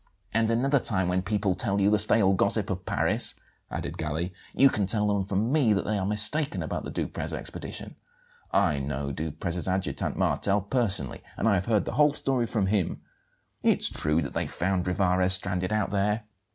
"And another time when people tell you the stale gossip of Paris," added Galli, "you can tell them from me that they are mistaken about the Duprez expedition. I know Duprez's adjutant, Martel, personally, and have heard the whole story from him. It's true that they found Rivarez stranded out there.